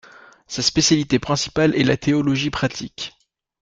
Sa spécialité principale est la théologie pratique.